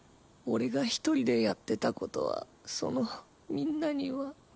俺が一人でやってたことはそのみんなには。